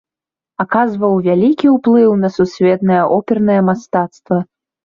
Аказаў вялікі ўплыў на сусветнае опернае мастацтва.